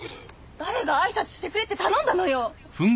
誰が挨拶してくれって頼んだのよ！